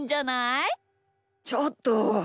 ちょっと。